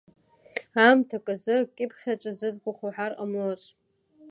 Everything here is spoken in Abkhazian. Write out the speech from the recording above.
Аамҭаказы акьыԥхь аҿы зыӡбахә уҳәар ҟамлоз.